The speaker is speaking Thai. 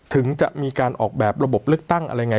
ถึงจะมีการออกแบบระบบเลือกตั้งอะไรไง